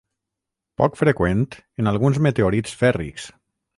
Poc freqüent en alguns meteorits fèrrics.